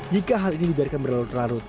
jika hal ini dibiarkan berlalu lalu